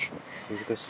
難しい？